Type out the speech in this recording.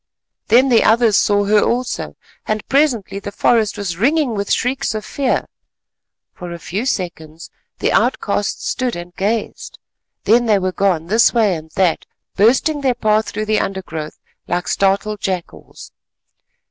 Then the others saw her also, and presently the forest was ringing with shrieks of fear. For a few seconds the outcasts stood and gazed, then they were gone this way and that, bursting their path through the undergrowth like startled jackals.